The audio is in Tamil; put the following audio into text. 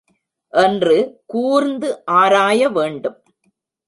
என்று கூர்ந்து ஆராய வேண்டும்.